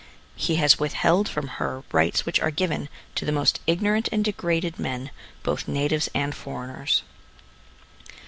He has withheld from her rights which are given to the most ignorant and degraded men ŌĆö both natives and foreigners.